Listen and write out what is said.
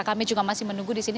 kami juga masih menunggu di sini